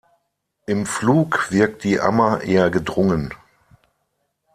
Im Flug wirkt die Ammer eher gedrungen.